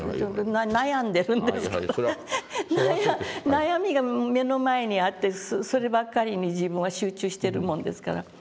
悩みが目の前にあってそればっかりに自分は集中してるもんですから。